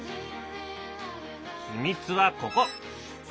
秘密はここ。